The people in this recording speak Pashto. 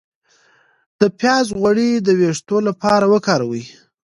د پیاز غوړي د ویښتو لپاره وکاروئ